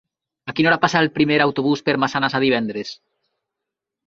A quina hora passa el primer autobús per Massanassa divendres?